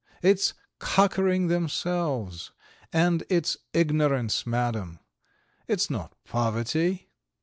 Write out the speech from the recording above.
It's cockering themselves, and it's ignorance, Madam, it's not poverty.